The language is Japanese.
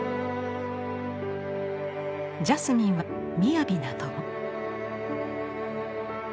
ジャスミンはみやびな友。